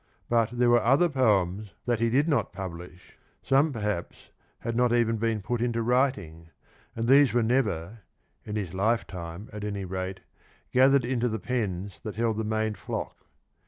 But there were other poems that he did not publish, some perhaps had not even been put into writing,^ and these were never (in his lifetime, at any rate) gathered into the pens that held the main flock.